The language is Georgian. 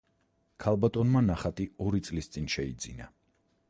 ქალბატონმა ნახატი ორი წლის წინ შეიძინა.